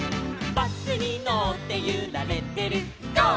「バスにのってゆられてるゴー！